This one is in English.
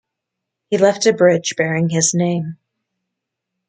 He left a bridge bearing his name.